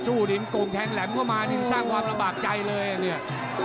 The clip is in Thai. สู้ดินโกงแทนแหลมก็มาสร้างความระบากใจเลย